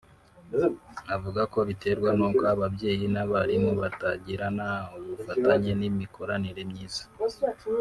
avuga ko biterwa nuko ababyeyi n’abarimu batagirana ubufatanye n’imikoranire myiza